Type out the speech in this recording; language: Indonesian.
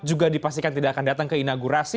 juga dipastikan tidak akan datang ke inaugurasi